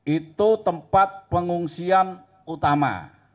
itu tempat pengungsian utama